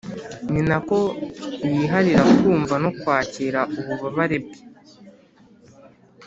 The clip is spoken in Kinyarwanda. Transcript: ni nako yiharira kumva no kwakira ububabare bwe